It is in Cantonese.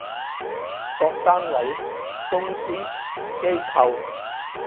各單位，公司，機構